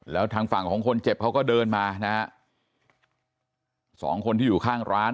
แล้วทางฝั่งของคนเจ็บเขาก็เดินมานะฮะสองคนที่อยู่ข้างร้าน